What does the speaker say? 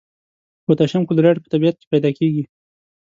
پوتاشیم کلورایډ په طبیعت کې پیداکیږي.